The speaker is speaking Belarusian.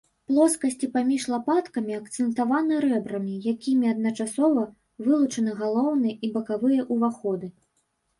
Плоскасці паміж лапаткамі акцэнтаваны рэбрамі, якімі адначасова вылучаны галоўны і бакавыя ўваходы.